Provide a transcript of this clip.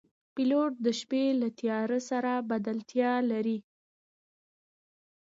پیلوټ د شپې له تیارو سره بلدتیا لري.